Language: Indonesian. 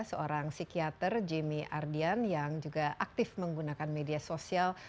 seorang psikiater jamie ardian yang juga aktif menggunakan media sosial